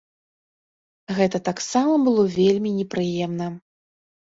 Гэта таксама было вельмі непрыемна.